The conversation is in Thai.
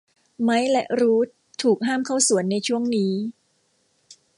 ไมค์และรูธถูกห้ามเข้าสวนในช่วงนี้